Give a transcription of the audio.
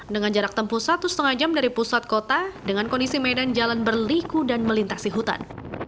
dengan jarak tempuh satu lima jam dari pusat kota dengan kondisi medan jalan berliku dan melintasi hutan